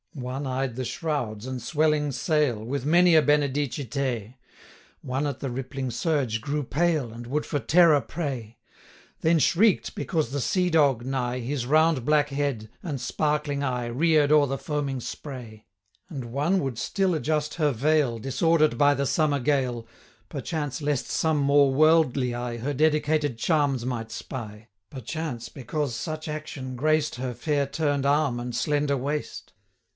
One eyed the shrouds and swelling sail, With many a benedicite; 30 One at the rippling surge grew pale, And would for terror pray; Then shriek'd, because the seadog, nigh, His round black head, and sparkling eye, Rear'd o'er the foaming spray; 35 And one would still adjust her veil, Disorder'd by the summer gale, Perchance lest some more worldly eye Her dedicated charms might spy; Perchance, because such action graced 40 Her fair turn'd arm and slender waist.